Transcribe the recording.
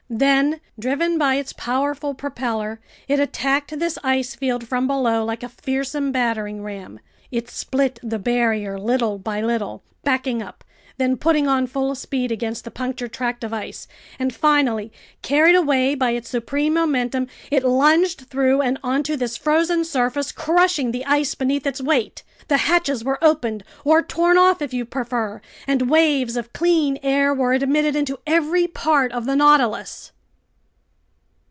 Then, driven by its powerful propeller, it attacked this ice field from below like a fearsome battering ram. It split the barrier little by little, backing up, then putting on full speed against the punctured tract of ice; and finally, carried away by its supreme momentum, it lunged through and onto this frozen surface, crushing the ice beneath its weight. The hatches were opened—or torn off, if you prefer—and waves of clean air were admitted into every part of the Nautilus.